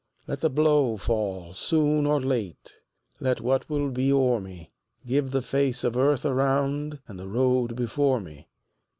Let the blow fall soon or late, Let what will be o'er me; Give the face of earth around And the road before me.